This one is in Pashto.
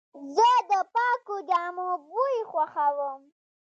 زه د پاکو جامو بوی خوښوم.